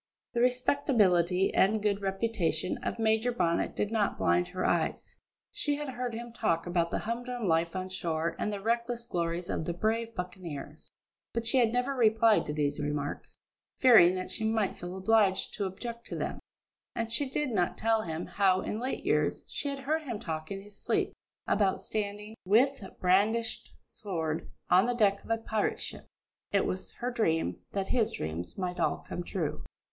The respectability and good reputation of Major Bonnet did not blind her eyes. She had heard him talk about the humdrum life on shore and the reckless glories of the brave buccaneers, but she had never replied to these remarks, fearing that she might feel obliged to object to them, and she did not tell him how, in late years, she had heard him talk in his sleep about standing, with brandished sword, on the deck of a pirate ship. It was her dream, that his dreams might all come true.